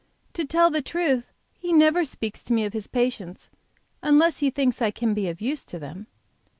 "To tell the truth, he never speaks to me of his patients unless he thinks I can be of use to them."